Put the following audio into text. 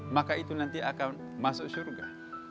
maka itu nanti akan masuk surga